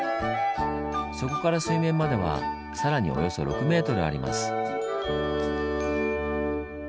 そこから水面まではさらにおよそ６ｍあります。